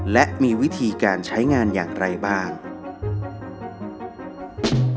และมีวิธีการใช้งานอย่างไรบ้าง